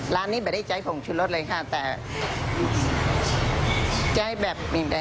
ร้านนี้แบบได้ใจผงชุดรสเลยค่ะแต่